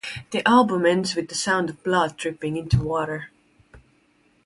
The album ends with the sound of blood dripping into water.